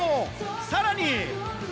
さらに。